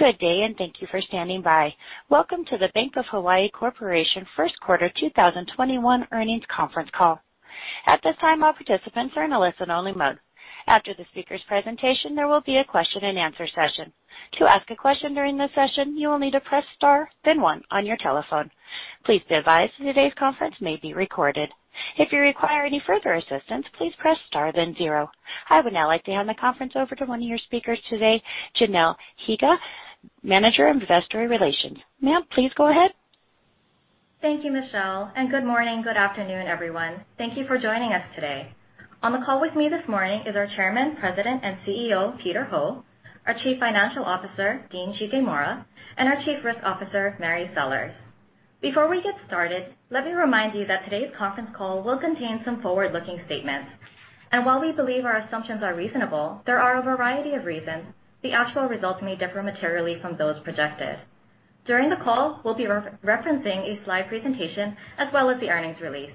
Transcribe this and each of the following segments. Good day, and thank you for standing by. Welcome to the Bank of Hawaii Corp. First Quarter 2021 Earnings Conference Call. At this time, all participants are in a listen-only mode. After the speaker's presentation, there will be a question and answer session. To ask a question during the session, you will need to press star then one on your telephone. Please be advised today's conference may be recorded. If you require any further assistance, please press star then zero. I would now like to hand the conference over to one of your speakers today, Janelle Higa, Manager of Investor Relations. Ma'am, please go ahead. Thank you, Michelle, and good morning, good afternoon, everyone. Thank you for joining us today. On the call with me this morning is our Chairman, President, and CEO, Peter Ho, our Chief Financial Officer, Dean Shigemura, and our Chief Risk Officer, Mary Sellers. Before we get started, let me remind you that today's conference call will contain some forward-looking statements. While we believe our assumptions are reasonable, there are a variety of reasons the actual results may differ materially from those projected. During the call, we'll be referencing a slide presentation as well as the earnings release.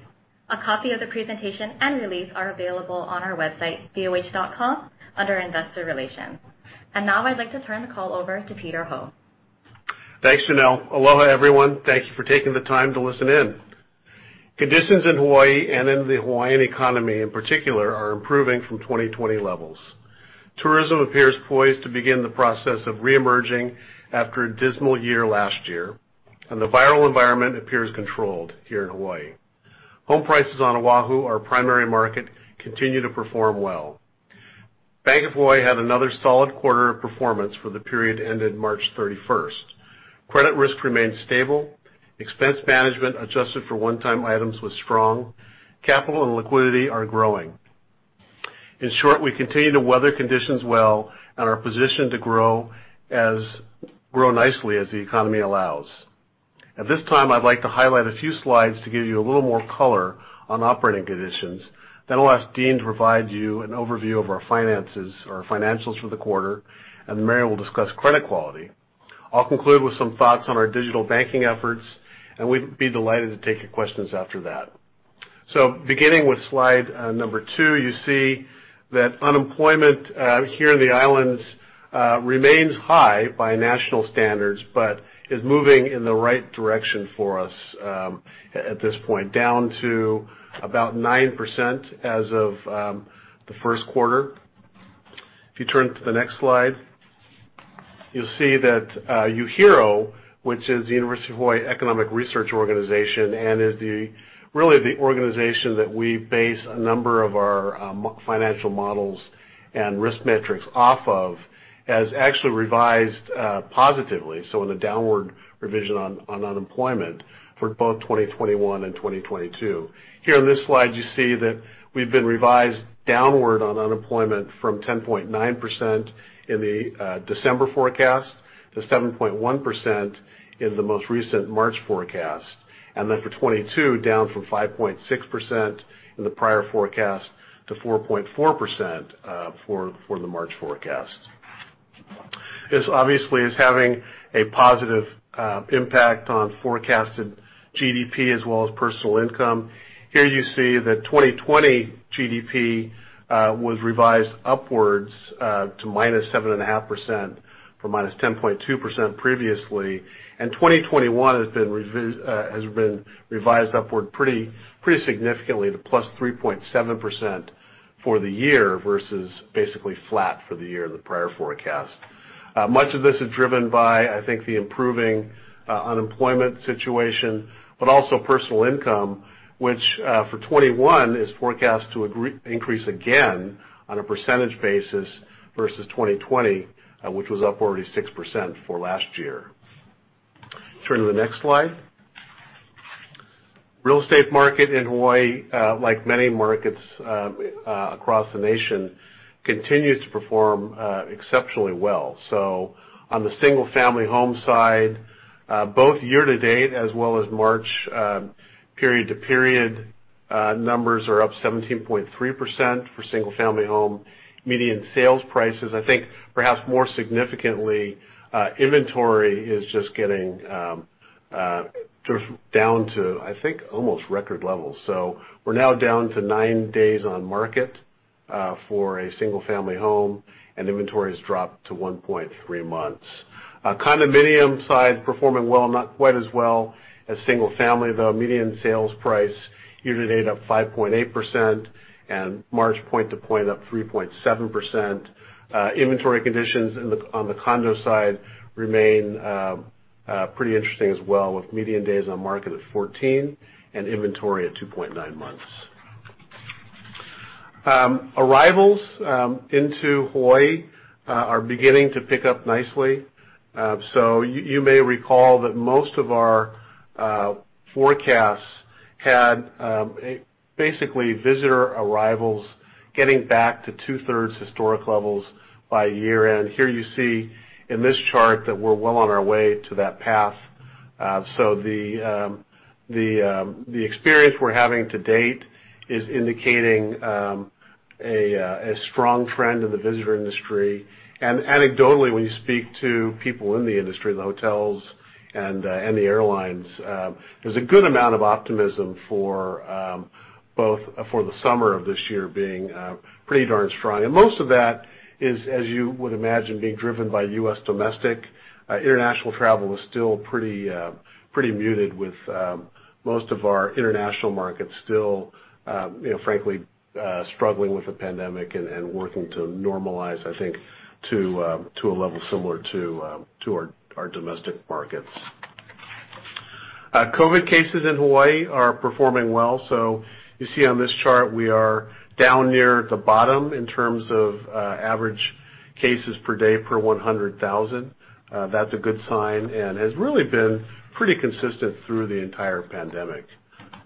A copy of the presentation and release are available on our website, boh.com, under Investor Relations. Now I'd like to turn the call over to Peter Ho. Thanks, Janelle. Aloha, everyone. Thank you for taking the time to listen in. Conditions in Hawaii and in the Hawaiian economy, in particular, are improving from 2020 levels. Tourism appears poised to begin the process of reemerging after a dismal year last year, and the viral environment appears controlled here in Hawaii. Home prices on Oahu, our primary market, continue to perform well. Bank of Hawaii had another solid quarter of performance for the period ended March 31st. Credit risk remained stable. Expense management adjusted for one-time items was strong. Capital and liquidity are growing. In short, we continue to weather conditions well and are positioned to grow nicely as the economy allows. At this time, I'd like to highlight a few slides to give you a little more color on operating conditions. I'll ask Dean to provide you an overview of our finances or financials for the quarter, and then Mary will discuss credit quality. I'll conclude with some thoughts on our digital banking efforts, and we'd be delighted to take your questions after that. Beginning with slide number two, you see that unemployment here in the islands remains high by national standards, but is moving in the right direction for us at this point, down to about 9% as of the first quarter. If you turn to the next slide, you'll see that UHERO, which is the University of Hawaii Economic Research Organization and is really the organization that we base a number of our financial models and risk metrics off of, has actually revised positively, so in the downward revision on unemployment for both 2021 and 2022. Here on this slide, you see that we've been revised downward on unemployment from 10.9% in the December forecast to 7.1% in the most recent March forecast. For 2022, down from 5.6% in the prior forecast to 4.4% for the March forecast. This obviously is having a positive impact on forecasted GDP as well as personal income. Here you see that 2020 GDP was revised upwards to -7.5% from -10.2% previously. 2021 has been revised upward pretty significantly to +3.7% for the year versus basically flat for the year in the prior forecast. Much of this is driven by, I think, the improving unemployment situation, but also personal income, which for 2021 is forecast to increase again on a percentage basis versus 2020, which was up already 6% for last year. Turn to the next slide. Real estate market in Hawaii, like many markets across the nation, continues to perform exceptionally well. On the single-family home side, both year to date as well as March period-to-period numbers are up 17.3% for single-family home. Median sales prices, I think perhaps more significantly, inventory is just getting down to, I think, almost record levels. We're now down to nine days on market for a single-family home, and inventory has dropped to 1.3 months. Condominium side performing well, not quite as well as single family, though. Median sales price year to date up 5.8% and March point to point up 3.7%. Inventory conditions on the condo side remain pretty interesting as well with median days on market at 14 and inventory at 2.9 months. Arrivals into Hawaii are beginning to pick up nicely. You may recall that most of our forecasts had basically visitor arrivals getting back to 2/3 historic levels by year-end. Here you see in this chart that we're well on our way to that path. The experience we're having to date is indicating a strong trend in the visitor industry. Anecdotally, when you speak to people in the industry, the hotels and the airlines, there's a good amount of optimism for the summer of this year being pretty darn strong. Most of that is, as you would imagine, being driven by U.S. domestic. International travel is still pretty muted, with most of our international markets still frankly struggling with the pandemic and working to normalize, I think to a level similar to our domestic markets. COVID cases in Hawaii are performing well. You see on this chart, we are down near the bottom in terms of average cases per day per 100,000. That's a good sign and has really been pretty consistent through the entire pandemic.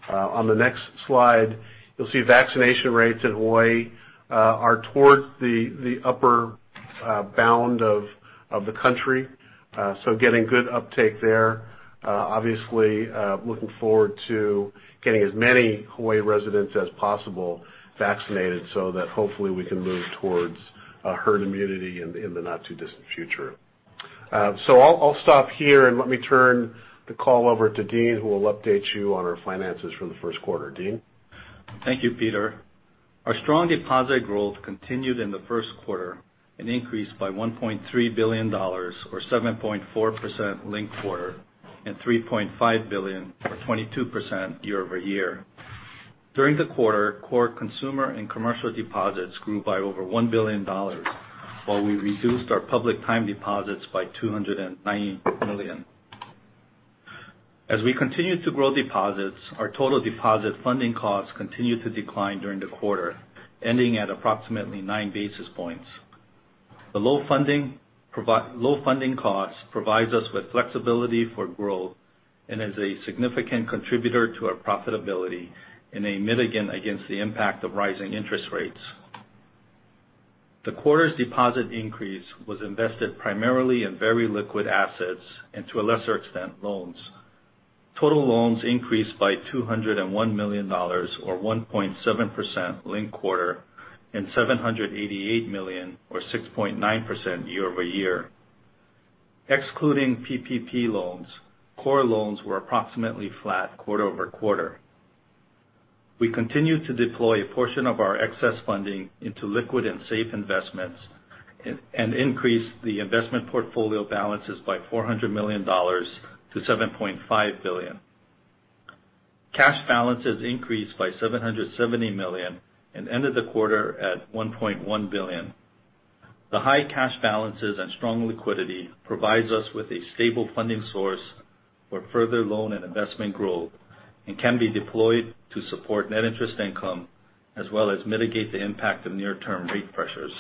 On the next slide, you'll see vaccination rates in Hawaii are towards the upper bound of the country, so getting good uptake there. Obviously, looking forward to getting as many Hawaii residents as possible vaccinated so that hopefully we can move towards herd immunity in the not-too-distant future. I'll stop here and let me turn the call over to Dean, who will update you on our finances for the first quarter. Dean? Thank you, Peter. Our strong deposit growth continued in the first quarter and increased by $1.3 billion, or 7.4% linked-quarter, and $3.5 billion, or 22% year-over-year. During the quarter, core consumer and commercial deposits grew by over $1 billion, while we reduced our public time deposits by $290 million. As we continued to grow deposits, our total deposit funding costs continued to decline during the quarter, ending at approximately nine basis points. The low funding costs provides us with flexibility for growth and is a significant contributor to our profitability and a mitigant against the impact of rising interest rates. The quarter's deposit increase was invested primarily in very liquid assets and, to a lesser extent, loans. Total loans increased by $201 million, or 1.7% linked-quarter, and $788 million, or 6.9% year-over-year. Excluding PPP loans, core loans were approximately flat quarter-over-quarter. We continued to deploy a portion of our excess funding into liquid and safe investments and increased the investment portfolio balances by $400 million to $7.5 billion. Cash balances increased by $770 million and ended the quarter at $1.1 billion. The high cash balances and strong liquidity provides us with a stable funding source for further loan and investment growth and can be deployed to support net interest income, as well as mitigate the impact of near-term rate pressures.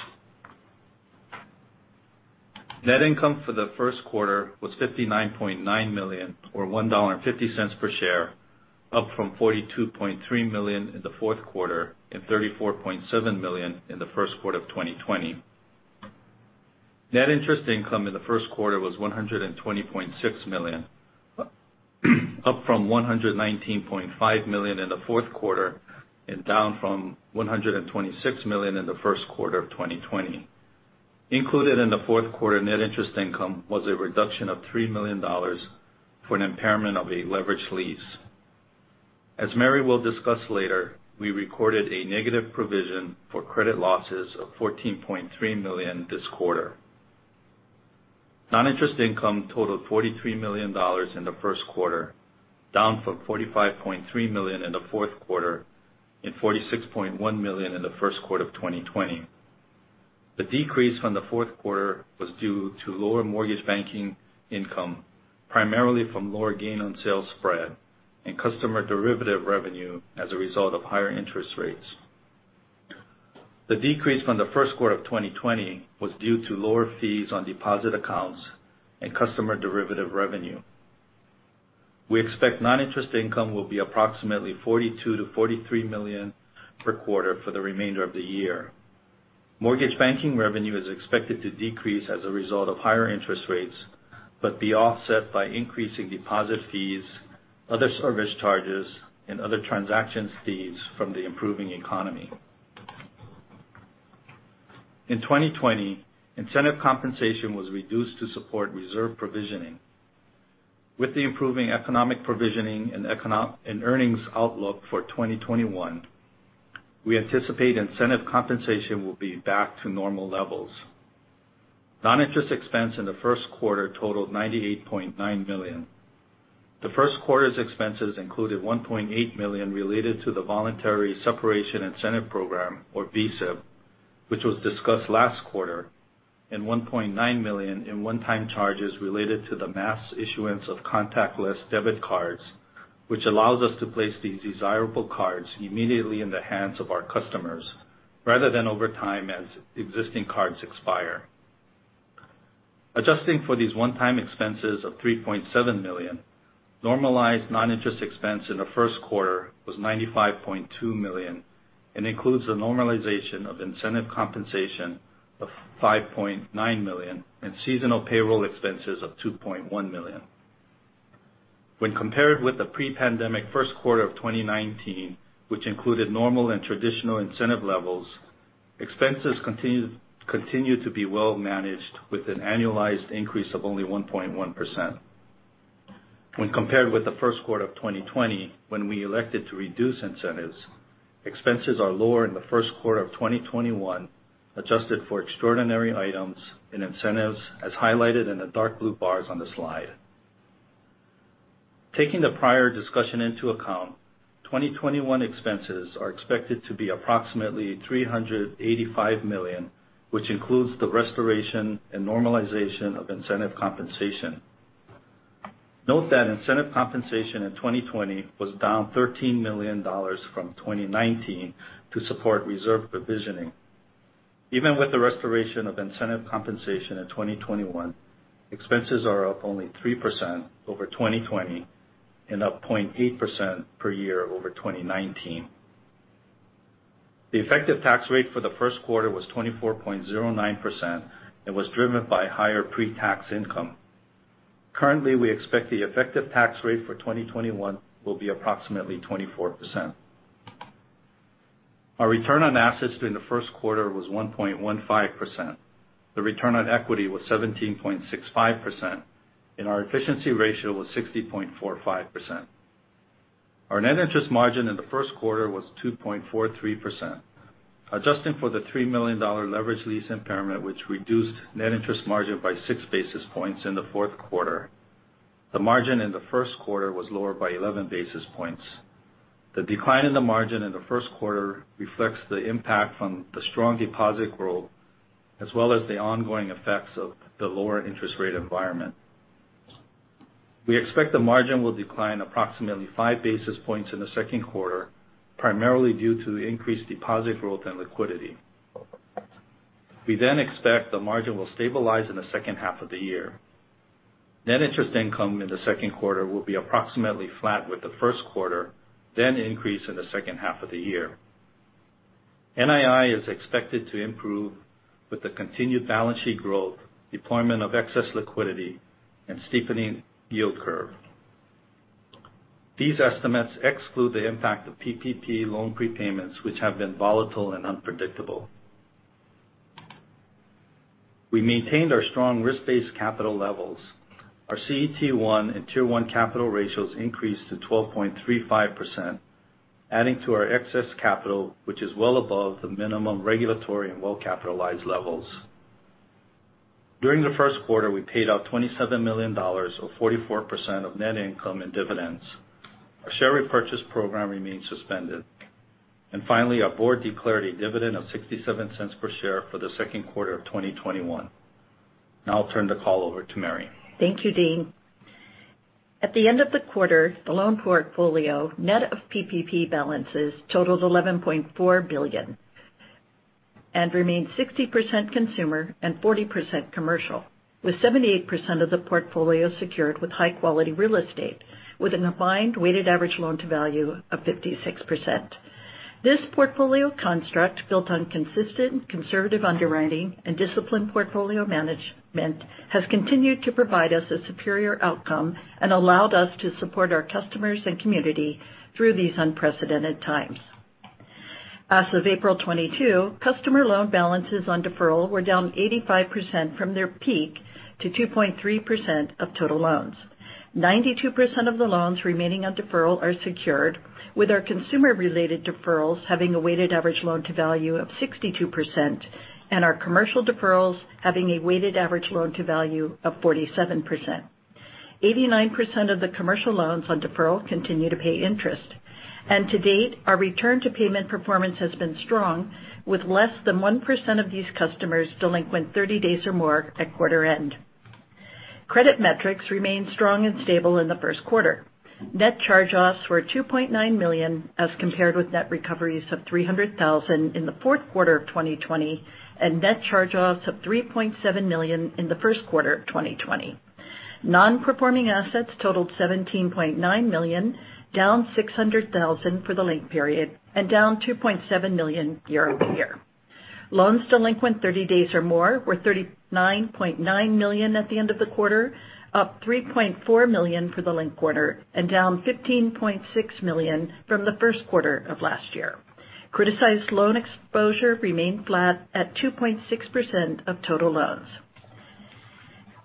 Net income for the first quarter was $59.9 million, or $1.50 per share, up from $42.3 million in the fourth quarter and $34.7 million in the first quarter of 2020. Net interest income in the first quarter was $120.6 million, up from $119.5 million in the fourth quarter and down from $126 million in the first quarter of 2020. Included in the fourth quarter net interest income was a reduction of $3 million for an impairment of a leveraged lease. As Mary will discuss later, we recorded a negative provision for credit losses of $14.3 million this quarter. Non-interest income totaled $43 million in the first quarter, down from $45.3 million in the fourth quarter and $46.1 million in the first quarter of 2020. The decrease from the fourth quarter was due to lower mortgage banking income, primarily from lower gain-on-sale spread and customer derivative revenue as a result of higher interest rates. The decrease from the first quarter of 2020 was due to lower fees on deposit accounts and customer derivative revenue. We expect non-interest income will be approximately $42 million-$43 million per quarter for the remainder of the year. Mortgage banking revenue is expected to decrease as a result of higher interest rates, but be offset by increasing deposit fees, other service charges, and other transactions fees from the improving economy. In 2020, incentive compensation was reduced to support reserve provisioning. With the improving economic provisioning and earnings outlook for 2021, we anticipate incentive compensation will be back to normal levels. Non-interest expense in the first quarter totaled $98.9 million. The first quarter's expenses included $1.8 million related to the Voluntary Separation Incentive Program, or VSIP, which was discussed last quarter, and $1.9 million in one-time charges related to the mass issuance of contactless debit cards, which allows us to place these desirable cards immediately in the hands of our customers rather than over time as existing cards expire. Adjusting for these one-time expenses of $3.7 million, normalized non-interest expense in the first quarter was $95.2 million. Includes the normalization of incentive compensation of $5.9 million and seasonal payroll expenses of $2.1 million. When compared with the pre-pandemic first quarter of 2019, which included normal and traditional incentive levels, expenses continue to be well managed with an annualized increase of only 1.1%. When compared with the first quarter of 2020, when we elected to reduce incentives, expenses are lower in the first quarter of 2021, adjusted for extraordinary items and incentives, as highlighted in the dark blue bars on the slide. Taking the prior discussion into account, 2021 expenses are expected to be approximately $385 million, which includes the restoration and normalization of incentive compensation. Note that incentive compensation in 2020 was down $13 million from 2019 to support reserve provisioning. Even with the restoration of incentive compensation in 2021, expenses are up only 3% over 2020 and up 0.8% per year over 2019. The effective tax rate for the first quarter was 24.09% and was driven by higher pre-tax income. Currently, we expect the effective tax rate for 2021 will be approximately 24%. Our return on assets during the first quarter was 1.15%. The return on equity was 17.65%, and our efficiency ratio was 60.45%. Our net interest margin in the first quarter was 2.43%. Adjusting for the $3 million leveraged lease impairment, which reduced net interest margin by six basis points in the fourth quarter, the margin in the first quarter was lower by 11 basis points. The decline in the margin in the first quarter reflects the impact from the strong deposit growth, as well as the ongoing effects of the lower interest rate environment. We expect the margin will decline approximately five basis points in the second quarter, primarily due to the increased deposit growth and liquidity. We expect the margin will stabilize in the second half of the year. Net interest income in the second quarter will be approximately flat with the first quarter, then increase in the second half of the year. NII is expected to improve with the continued balance sheet growth, deployment of excess liquidity, and steepening yield curve. These estimates exclude the impact of PPP loan prepayments, which have been volatile and unpredictable. We maintained our strong risk-based capital levels. Our CET1 and Tier 1 capital ratios increased to 12.35%, adding to our excess capital, which is well above the minimum regulatory and well-capitalized levels. During the first quarter, we paid out $27 million, or 44% of net income in dividends. Our share repurchase program remains suspended. Finally, our board declared a dividend of $0.67 per share for the second quarter of 2021. I'll turn the call over to Mary. Thank you, Dean. At the end of the quarter, the loan portfolio, net of PPP balances, totaled $11.4 billion and remained 60% consumer and 40% commercial, with 78% of the portfolio secured with high-quality real estate with a combined weighted average loan-to-value of 56%. This portfolio construct, built on consistent, conservative underwriting and disciplined portfolio management, has continued to provide us a superior outcome and allowed us to support our customers and community through these unprecedented times. As of April 22, customer loan balances on deferral were down 85% from their peak to 2.3% of total loans. 92% of the loans remaining on deferral are secured with our consumer-related deferrals having a weighted average loan-to-value of 62%, and our commercial deferrals having a weighted average loan-to-value of 47%. 89% of the commercial loans on deferral continue to pay interest. To date, our return to payment performance has been strong, with less than 1% of these customers delinquent 30 days or more at quarter end. Credit metrics remained strong and stable in the first quarter. Net charge-offs were $2.9 million, as compared with net recoveries of $300,000 in the fourth quarter of 2020, and net charge-offs of $3.7 million in the first quarter of 2020. Non-performing assets totaled $17.9 million, down $600,000 for the linked period and down $2.7 million year-over-year. Loans delinquent 30 days or more were $39.9 million at the end of the quarter, up $3.4 million for the linked quarter and down $15.6 million from the first quarter of last year. Criticized loan exposure remained flat at 2.6% of total loans.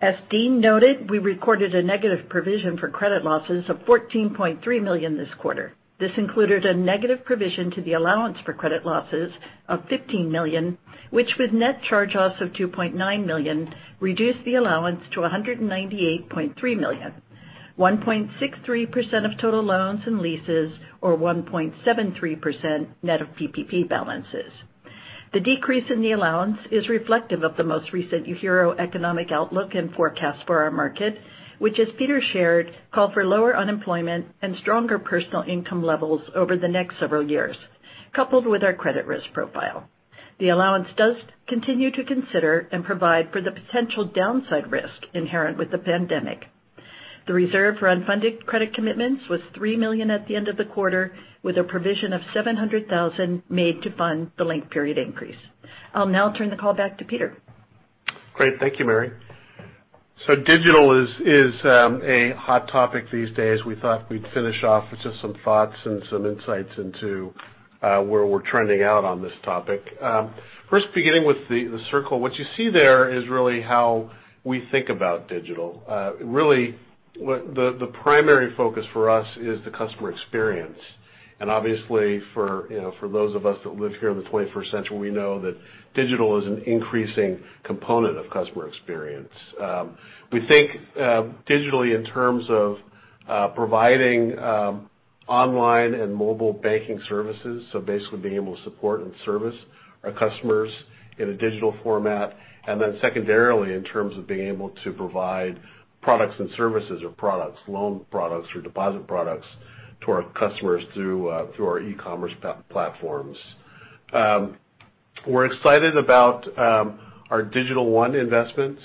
As Dean noted, we recorded a negative provision for credit losses of $14.3 million this quarter. This included a negative provision to the allowance for credit losses of $15 million, which with net charge-offs of $2.9 million, reduced the allowance to $198.3 million, 1.63% of total loans and leases or 1.73% net of PPP balances. The decrease in the allowance is reflective of the most recent UHERO economic outlook and forecast for our market, which, as Peter shared, call for lower unemployment and stronger personal income levels over the next several years, coupled with our credit risk profile. The allowance does continue to consider and provide for the potential downside risk inherent with the pandemic. The reserve for unfunded credit commitments was $3 million at the end of the quarter, with a provision of $700,000 made to fund the linked period increase. I'll now turn the call back to Peter. Great. Thank you, Mary. Digital is a hot topic these days. We thought we'd finish off with just some thoughts and some insights into where we're trending out on this topic. First beginning with the circle. What you see there is really how we think about digital. Really, the primary focus for us is the customer experience. Obviously, for those of us that live here in the 21st century, we know that digital is an increasing component of customer experience. We think digitally in terms of providing online and mobile banking services, so basically being able to support and service our customers in a digital format. Secondarily, in terms of being able to provide products and services or products, loan products or deposit products to our customers through our e-commerce platforms. We're excited about our Digital One investment.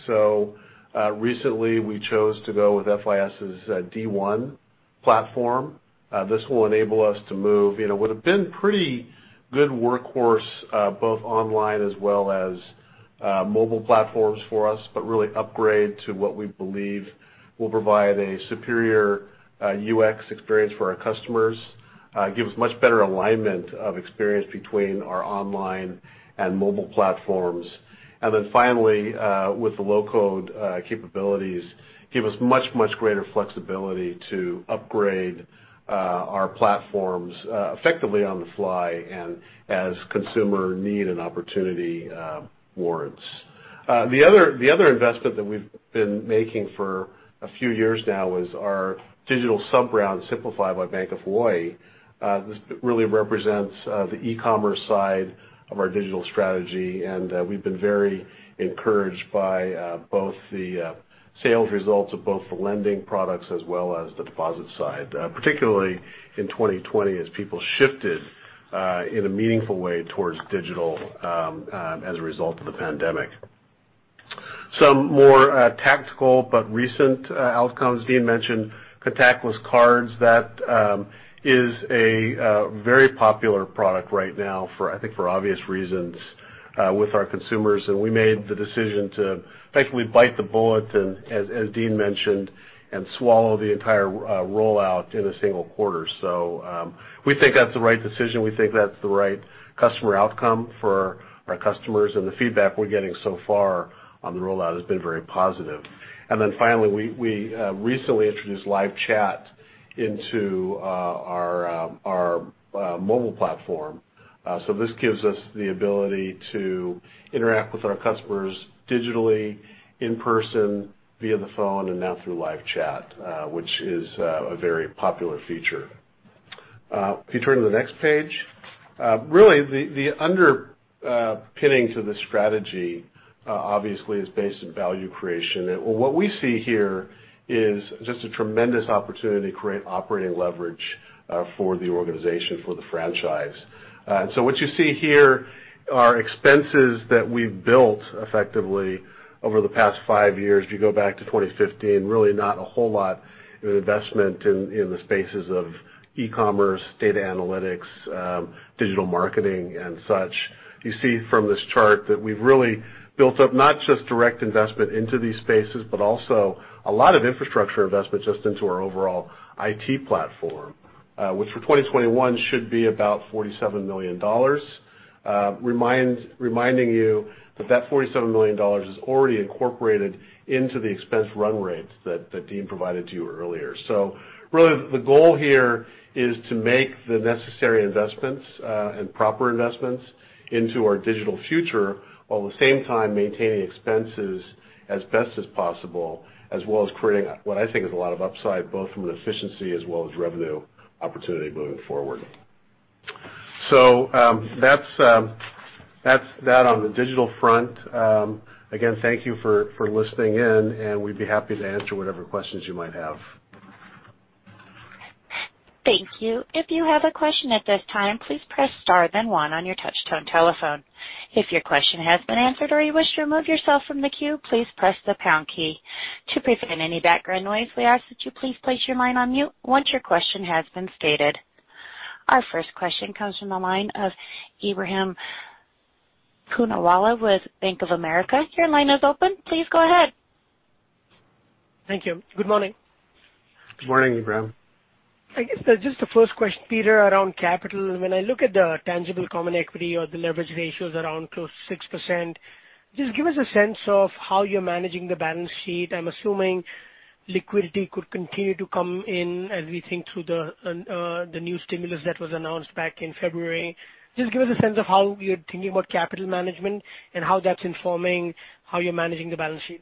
Recently we chose to go with FIS's D1 platform. This will enable us to move what have been pretty good workhorse both online as well as mobile platforms for us, but really upgrade to what we believe will provide a superior UX experience for our customers, give us much better alignment of experience between our online and mobile platforms. Finally, with the low code capabilities, give us much, much greater flexibility to upgrade our platforms effectively on the fly and as consumer need and opportunity warrants. The other investment that we've been making for a few years now is our digital sub-brand, SimpliFi by Bank of Hawaii. This really represents the e-commerce side of our digital strategy, and we've been very encouraged by both the sales results of both the lending products as well as the deposit side, particularly in 2020, as people shifted in a meaningful way towards digital as a result of the pandemic. Some more tactical but recent outcomes. Dean mentioned contactless cards. That is a very popular product right now, I think for obvious reasons, with our consumers. We made the decision to effectively bite the bullet, and as Dean mentioned, and swallow the entire rollout in a single quarter. We think that's the right decision. We think that's the right customer outcome for our customers. The feedback we're getting so far on the rollout has been very positive. Finally, we recently introduced live chat into our mobile platform. This gives us the ability to interact with our customers digitally, in person, via the phone, and now through live chat, which is a very popular feature. If you turn to the next page. Really the underpinning to the strategy, obviously, is based in value creation. What we see here is just a tremendous opportunity to create operating leverage for the organization, for the franchise. What you see here are expenses that we've built effectively over the past five years. If you go back to 2015, really not a whole lot in investment in the spaces of e-commerce, data analytics, digital marketing, and such. You see from this chart that we've really built up not just direct investment into these spaces, but also a lot of infrastructure investment just into our overall IT platform, which for 2021 should be about $47 million. Reminding you that that $47 million is already incorporated into the expense run rates that Dean provided to you earlier. Really the goal here is to make the necessary investments and proper investments into our digital future, while at the same time maintaining expenses as best as possible, as well as creating what I think is a lot of upside, both from an efficiency as well as revenue opportunity moving forward. That's that on the digital front. Again, thank you for listening in, and we'd be happy to answer whatever questions you might have. Our first question comes from the line of Ebrahim Poonawala with Bank of America. Your line is open. Please go ahead. Thank you. Good morning. Good morning, Ebrahim. I guess just the first question, Peter, around capital. When I look at the tangible common equity or the leverage ratios around close to 6%, just give us a sense of how you're managing the balance sheet. I'm assuming liquidity could continue to come in as we think through the new stimulus that was announced back in February. Just give us a sense of how you're thinking about capital management and how that's informing how you're managing the balance sheet.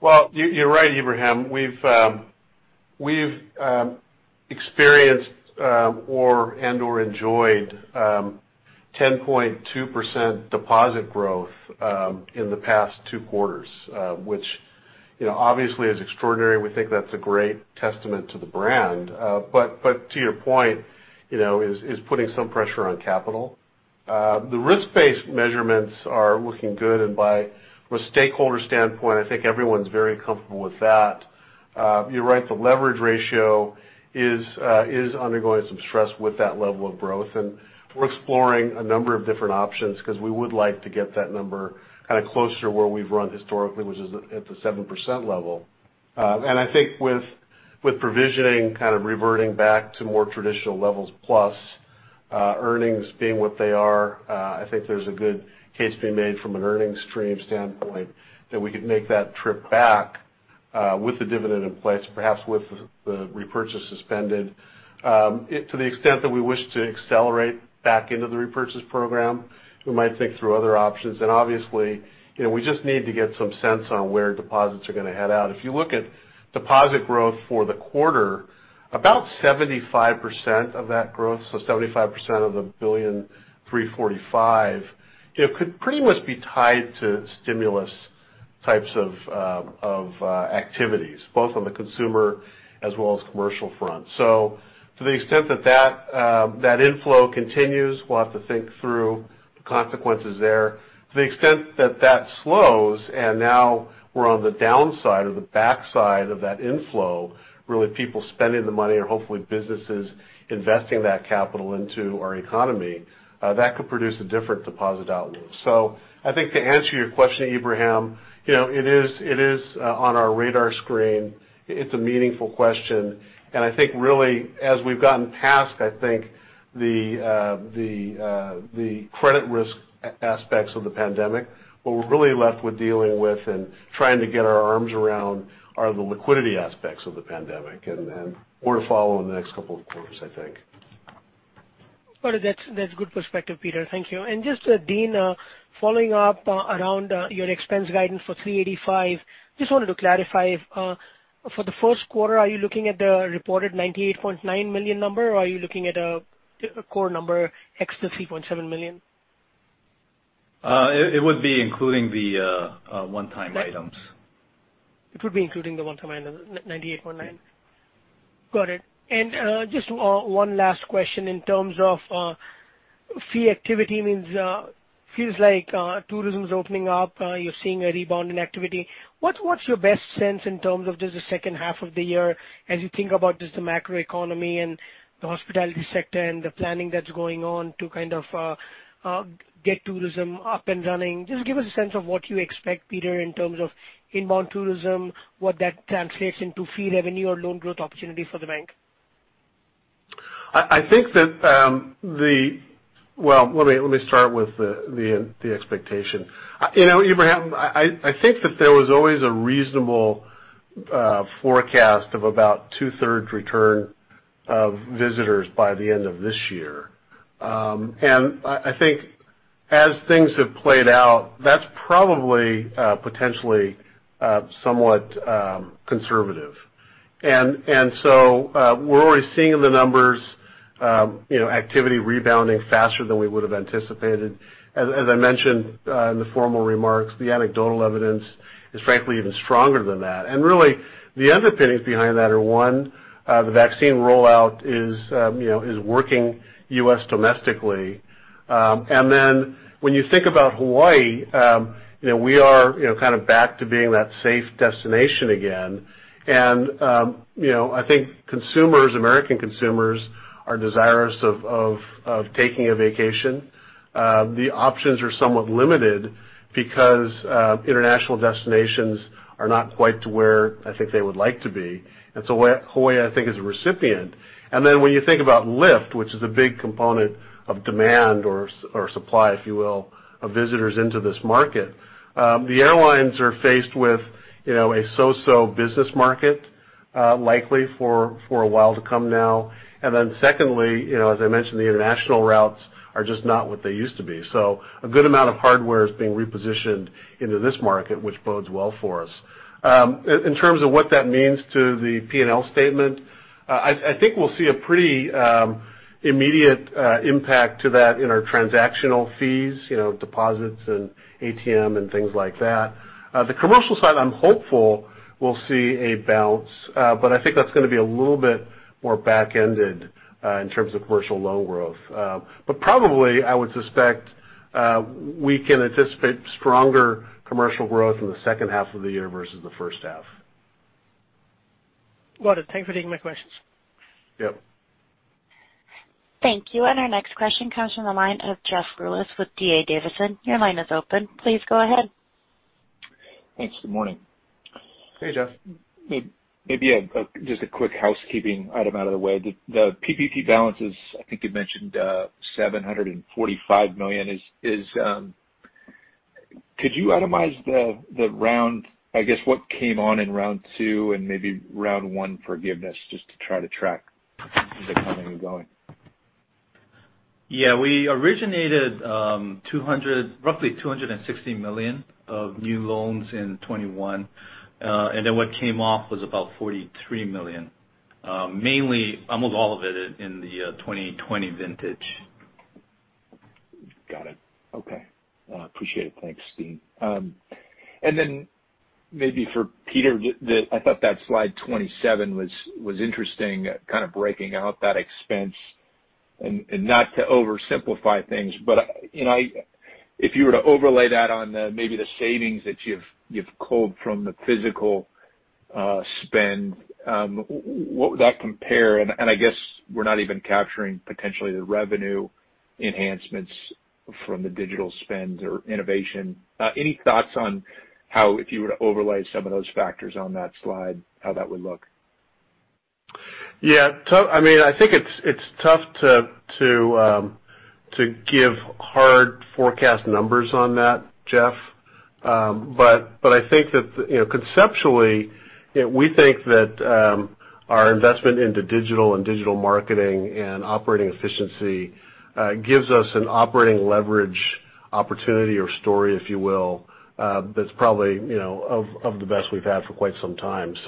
Well, you're right, Ebrahim. We've experienced and/or enjoyed 10.2% deposit growth in the past two quarters, which obviously is extraordinary. We think that's a great testament to the brand. To your point, is putting some pressure on capital. The risk-based measurements are looking good. From a stakeholder standpoint, I think everyone's very comfortable with that. You're right, the leverage ratio is undergoing some stress with that level of growth. We're exploring a number of different options because we would like to get that number kind of closer to where we've run historically, which is at the 7% level. I think with provisioning kind of reverting back to more traditional levels, plus earnings being what they are, I think there's a good case being made from an earnings stream standpoint that we could make that trip back with the dividend in place, perhaps with the repurchase suspended. To the extent that we wish to accelerate back into the repurchase program, we might think through other options. Obviously, we just need to get some sense on where deposits are going to head out. If you look at deposit growth for the quarter, about 75% of that growth, so 75% of the $1.345 billion, could pretty much be tied to stimulus types of activities, both on the consumer as well as commercial front. To the extent that inflow continues, we'll have to think through the consequences there. To the extent that slows and now we're on the downside or the backside of that inflow, really people spending the money and hopefully businesses investing that capital into our economy, that could produce a different deposit outlook. I think to answer your question, Ebrahim, it is on our radar screen. It's a meaningful question, and I think really as we've gotten past the credit risk aspects of the pandemic, what we're really left with dealing with and trying to get our arms around are the liquidity aspects of the pandemic and more to follow in the next couple of quarters, I think. Got it. That's good perspective, Peter. Thank you. Just, Dean, following up around your expense guidance for $385 million. Just wanted to clarify. For the first quarter, are you looking at the reported $98.9 million number, or are you looking at a core number ex the $3.7 million? It would be including the one-time items. It would be including the one-time item, the $98.9 million. Got it. Just one last question in terms of fee activity. It feels like tourism is opening up. You're seeing a rebound in activity. What's your best sense in terms of just the second half of the year as you think about just the macroeconomy and the hospitality sector and the planning that's going on to kind of get tourism up and running? Just give us a sense of what you expect, Peter, in terms of inbound tourism, what that translates into fee revenue or loan growth opportunity for the bank. Well, let me start with the expectation. Ebrahim, I think that there was always a reasonable forecast of about 2/3 return of visitors by the end of this year. I think as things have played out, that's probably potentially somewhat conservative. We're already seeing in the numbers activity rebounding faster than we would have anticipated. As I mentioned in the formal remarks, the anecdotal evidence is frankly even stronger than that. Really, the underpinnings behind that are one, the vaccine rollout is working U.S. domestically. When you think about Hawaii, we are kind of back to being that safe destination again. I think American consumers are desirous of taking a vacation. The options are somewhat limited because international destinations are not quite to where I think they would like to be. Hawaii, I think, is a recipient. When you think about lift, which is a big component of demand or supply, if you will, of visitors into this market. The airlines are faced with a so-so business market likely for a while to come now. Secondly, as I mentioned, the international routes are just not what they used to be. A good amount of hardware is being repositioned into this market, which bodes well for us. In terms of what that means to the P&L statement, I think we'll see a pretty immediate impact to that in our transactional fees, deposits and ATM and things like that. The commercial side, I'm hopeful will see a bounce. I think that's going to be a little bit more back-ended in terms of commercial loan growth. Probably, I would suspect we can anticipate stronger commercial growth in the second half of the year versus the first half. Got it. Thanks for taking my questions. Yep. Thank you. Our next question comes from the line of Jeff Rulis with D.A. Davidson. Your line is open. Please go ahead. Thanks. Good morning. Hey, Jeff. Maybe just a quick housekeeping item out of the way. The PPP balances, I think you mentioned $745 million. Could you itemize the round, I guess, what came on in round two and maybe round one forgiveness, just to try to track the coming and going? We originated roughly $260 million of new loans in 2021. What came off was about $43 million. Almost all of it in the 2020 vintage. Got it. Okay. Well, I appreciate it. Thanks, Dean. Maybe for Peter, I thought that slide 27 was interesting, kind of breaking out that expense. Not to oversimplify things, but if you were to overlay that on maybe the savings that you've culled from the physical spend, what would that compare? I guess we're not even capturing potentially the revenue enhancements from the digital spend or innovation. Any thoughts on how, if you were to overlay some of those factors on that slide, how that would look? Yeah. I think it's tough to give hard forecast numbers on that, Jeff. I think that conceptually, we think that our investment into digital and digital marketing and operating efficiency gives us an operating leverage opportunity or story, if you will, that's probably of the best we've had for quite some time. Just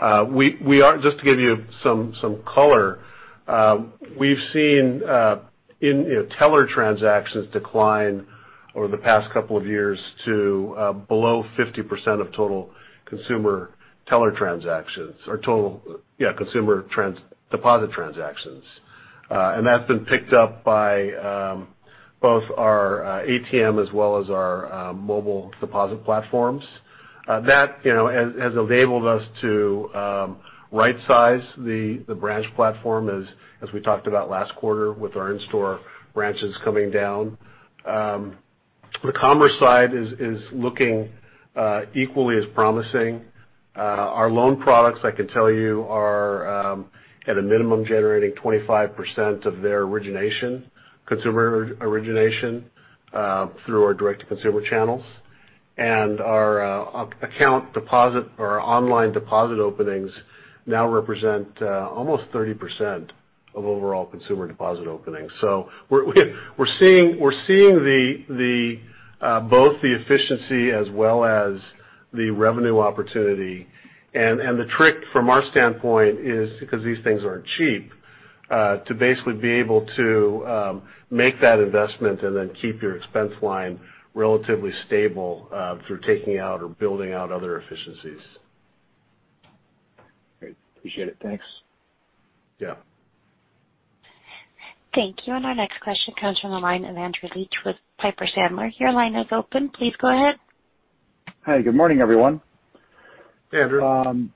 to give you some color, we've seen teller transactions decline over the past couple of years to below 50% of total consumer teller transactions, or total consumer deposit transactions. That's been picked up by both our ATM as well as our mobile deposit platforms. That has enabled us to right-size the branch platform, as we talked about last quarter with our in-store branches coming down. The commerce side is looking equally as promising. Our loan products, I can tell you, are at a minimum generating 25% of their origination, consumer origination, through our direct-to-consumer channels. Our account deposit or our online deposit openings now represent almost 30% of overall consumer deposit openings. We're seeing both the efficiency as well as the revenue opportunity. The trick from our standpoint is, because these things aren't cheap, to basically be able to make that investment and then keep your expense line relatively stable through taking out or building out other efficiencies. Great. Appreciate it. Thanks. Yeah. Thank you. Our next question comes from the line of Andrew Liesch with Piper Sandler. Your line is open. Please go ahead. Hi. Good morning, everyone. Hey, Andrew.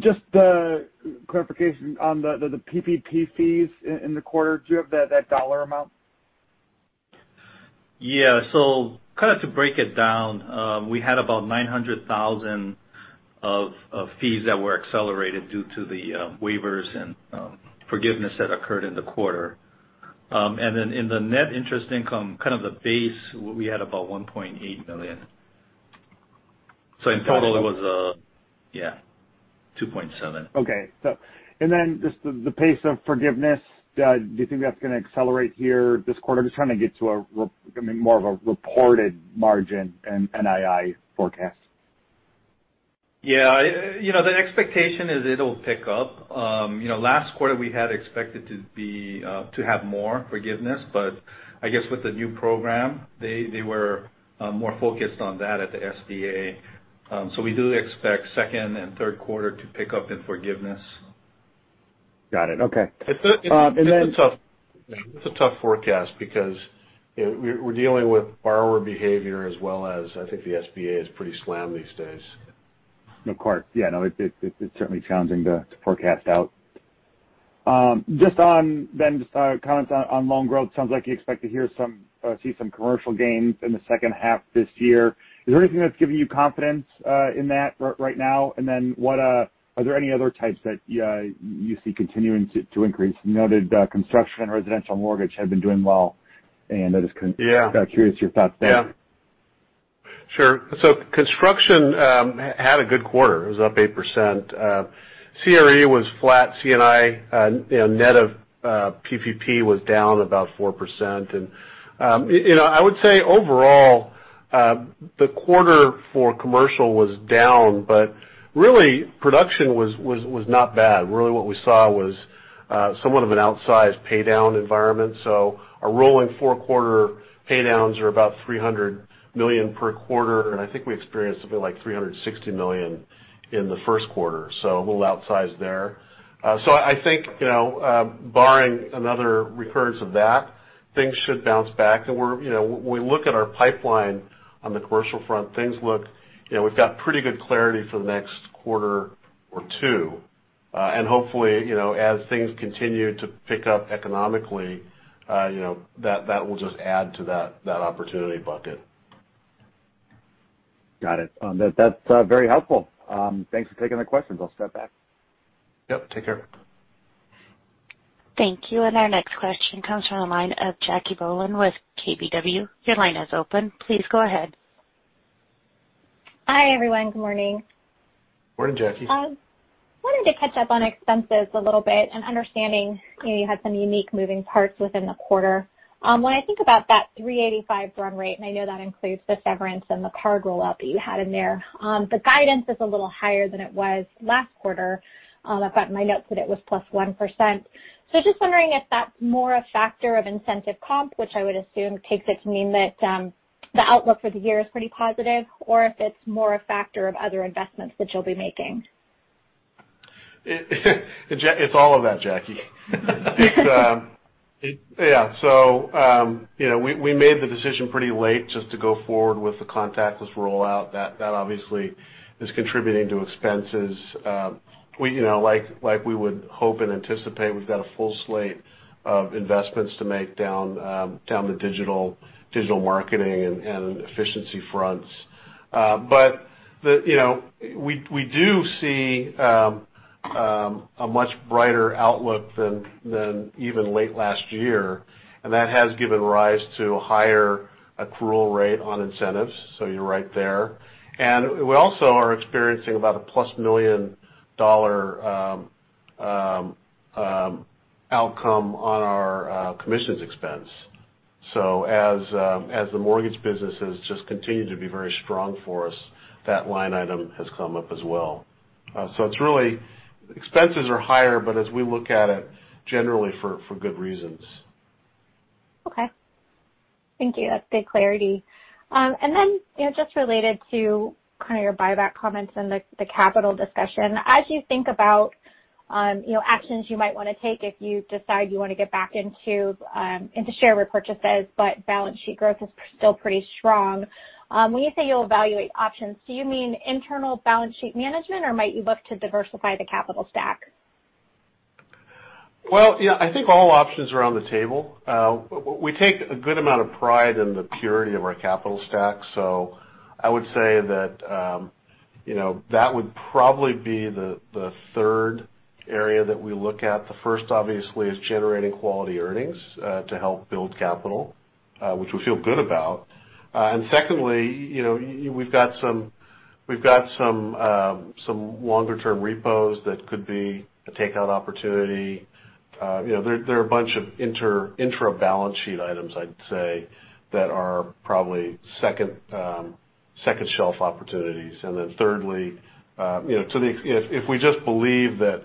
Just clarification on the PPP fees in the quarter. Do you have that dollar amount? Yeah. Kind of to break it down, we had about $900,000 of fees that were accelerated due to the waivers and forgiveness that occurred in the quarter. In the net interest income, kind of the base, we had about $1.8 million. In total it was. Got it. Yeah, $2.7 million. Okay. Then just the pace of forgiveness, do you think that's going to accelerate here this quarter? Just trying to get to more of a reported margin and NII forecast. The expectation is it'll pick up. Last quarter we had expected to have more forgiveness, I guess with the new program, they were more focused on that at the SBA. We do expect second and third quarters to pick up in forgiveness. Got it. Okay. It's a tough forecast because we're dealing with borrower behavior as well as, I think the SBA is pretty slammed these days. Of course. Yeah, no, it's certainly challenging to forecast out. Just on Dean's comments on loan growth, sounds like you expect to see some commercial gains in the second half this year. Is there anything that's giving you confidence in that right now? Are there any other types that you see continuing to increase? You noted construction and residential mortgage have been doing well, curious your thoughts there. Yeah. Sure. Construction had a good quarter. It was up 8%. CRE was flat. C&I net of PPP was down about 4%. I would say overall, the quarter for commercial was down, but really production was not bad. Really what we saw was somewhat of an outsized paydown environment. A rolling four-quarter paydowns are about $300 million per quarter, and I think we experienced something like $360 million in the first quarter. A little outsized there. I think barring another recurrence of that, things should bounce back. When we look at our pipeline on the commercial front, we've got pretty good clarity for the next quarter or two. Hopefully, as things continue to pick up economically, that will just add to that opportunity bucket. Got it. That's very helpful. Thanks for taking the questions. I'll step back. Yep. Take care. Thank you. Our next question comes from the line of Jackie Bohlen with KBW. Your line is open. Please go ahead. Hi, everyone. Good morning. Morning, Jackie. Wanted to catch up on expenses a little bit and understanding you had some unique moving parts within the quarter. When I think about that 3.85% run rate, and I know that includes the severance and the card rollout that you had in there, the guidance is a little higher than it was last quarter. I've got in my notes that it was +1%. Just wondering if that's more a factor of incentive comp, which I would assume takes it to mean that the outlook for the year is pretty positive, or if it's more a factor of other investments that you'll be making. It's all of that, Jackie. Yeah. We made the decision pretty late just to go forward with the contactless rollout. That obviously is contributing to expenses. Like we would hope and anticipate, we've got a full slate of investments to make down the digital marketing and efficiency fronts. We do see a much brighter outlook than even late last year, and that has given rise to a higher accrual rate on incentives, so you're right there. We also are experiencing about a plus million-dollar outcome on our commissions expense. As the mortgage business has just continued to be very strong for us, that line item has come up as well. It's really, expenses are higher, but as we look at it, generally for good reasons. Okay. Thank you. That's good clarity. Then just related to kind of your buyback comments and the capital discussion, as you think about actions you might want to take if you decide you want to get back into share repurchases, but balance sheet growth is still pretty strong. When you say you'll evaluate options, do you mean internal balance sheet management, or might you look to diversify the capital stack? Well, yeah, I think all options are on the table. We take a good amount of pride in the purity of our capital stack. I would say that that would probably be the third area that we look at. The first, obviously, is generating quality earnings to help build capital, which we feel good about. Secondly, we've got some longer-term repos that could be a takeout opportunity. There are a bunch of intra-balance sheet items, I'd say, that are probably second-shelf opportunities. Thirdly, if we just believe that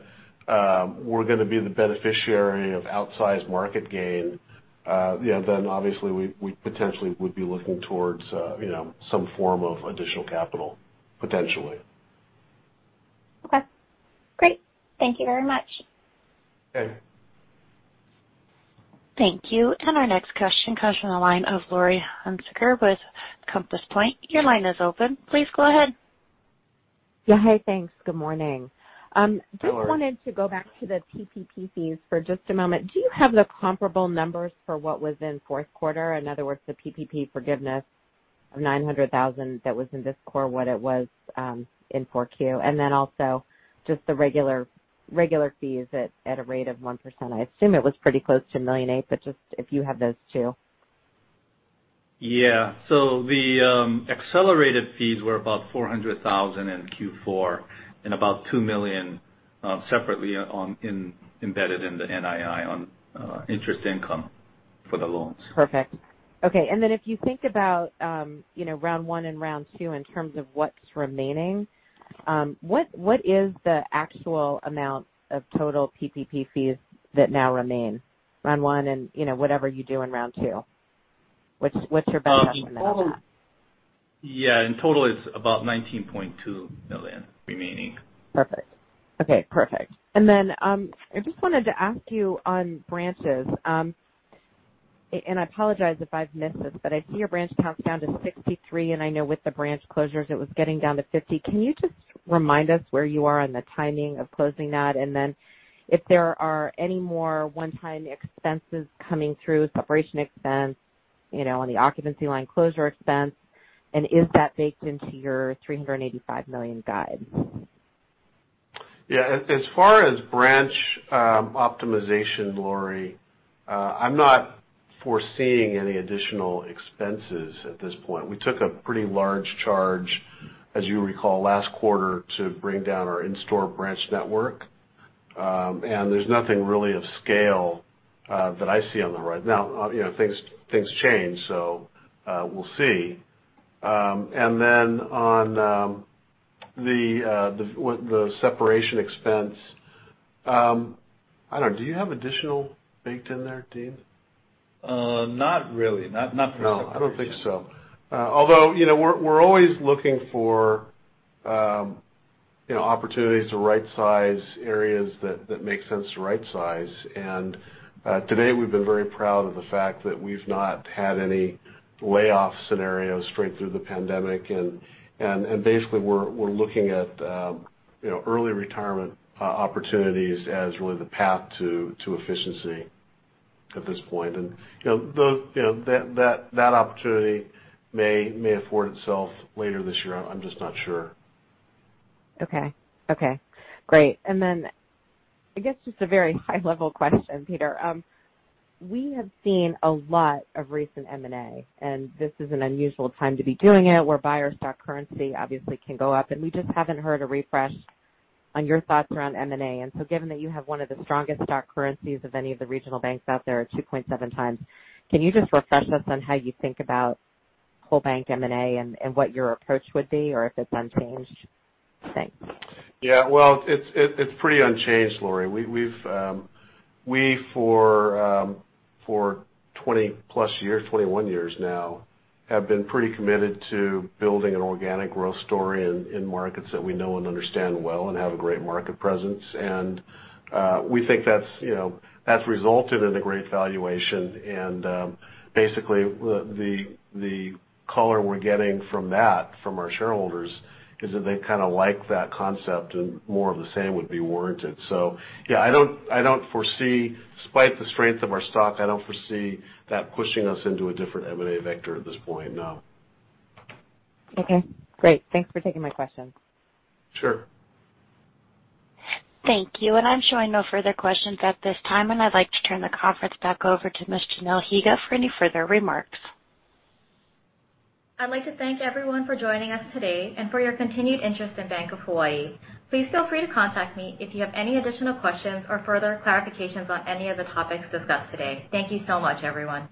we're going to be the beneficiary of outsized market gain, then obviously we potentially would be looking towards some form of additional capital, potentially. Okay. Great. Thank you very much. Okay. Thank you. Our next question comes from the line of Laurie Hunsicker with Compass Point. Your line is open. Please go ahead. Yeah. Hey, thanks. Good morning. Hello. Just wanted to go back to the PPP fees for just a moment. Do you have the comparable numbers for what was in fourth quarter? In other words, the PPP forgiveness of $900,000 that was in this quarter, what it was in Q4. Then also just the regular fees at a rate of 1%. I assume it was pretty close to $1.8 million, but just if you have those two. Yeah. The accelerated fees were about $400,000 in Q4 and about $2 million separately embedded in the NII on interest income for the loans. Perfect. Okay. If you think about round one and round two in terms of what's remaining, what is the actual amount of total PPP fees that now remain, round one and whatever you do in round two? What's your best estimate on that? Yeah. In total, it's about $19.2 million remaining. Perfect. Okay, perfect. I just wanted to ask you on branches. I apologize if I've missed this, but I see your branch count's down to 63, and I know with the branch closures, it was getting down to 50. Can you just remind us where you are on the timing of closing that? If there are any more one-time expenses coming through, separation expense, on the occupancy line closure expense, is that baked into your $385 million guide? Yeah. As far as branch optimization, Laurie, I'm not foreseeing any additional expenses at this point. We took a pretty large charge, as you recall, last quarter to bring down our in-store branch network. There's nothing really of scale that I see on the horizon. Now, things change, so we'll see. Then on the separation expense. I don't know, do you have additional baked in there, Dean? Not really. Not for separation. No, I don't think so. We're always looking for opportunities to rightsize areas that make sense to rightsize. To date, we've been very proud of the fact that we've not had any layoff scenarios straight through the pandemic. Basically, we're looking at early retirement opportunities as really the path to efficiency at this point. That opportunity may afford itself later this year. I'm just not sure. Okay. Great. I guess just a very high-level question, Peter. We have seen a lot of recent M&A, and this is an unusual time to be doing it, where buyer stock currency obviously can go up, and we just haven't heard a refresh on your thoughts around M&A. Given that you have one of the strongest stock currencies of any of the regional banks out there at 2.7 times, can you just refresh us on how you think about whole bank M&A and what your approach would be or if it's unchanged? Thanks. Yeah. Well, it's pretty unchanged, Laurie. We, for 20-plus years, 21 years now, have been pretty committed to building an organic growth story in markets that we know and understand well and have a great market presence. We think that's resulted in a great valuation. Basically, the color we're getting from that from our shareholders is that they kind of like that concept and more of the same would be warranted. Yeah, despite the strength of our stock, I don't foresee that pushing us into a different M&A vector at this point, no. Okay, great. Thanks for taking my question. Sure. Thank you. I'm showing no further questions at this time, and I'd like to turn the conference back over to Ms. Janelle Higa for any further remarks. I'd like to thank everyone for joining us today and for your continued interest in Bank of Hawaii. Please feel free to contact me if you have any additional questions or further clarifications on any of the topics discussed today. Thank you so much, everyone.